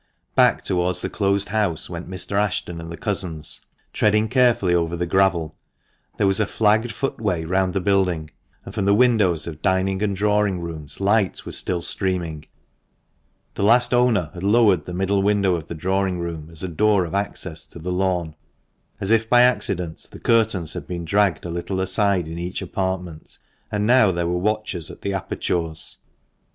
Back towards the closed house went Mr. Ashton and the cousins, treading carefully over the gravel. There was a flagged footway round the building, and from the windows of dining and drawing rooms light was still streaming. The last owner had lowered the middle window of the drawing room as a door of access to the lawn. As if by accident the curtains had been dragged a little aside in each apartment, and now there were watchers at the apertures.